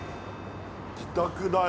自宅だよ。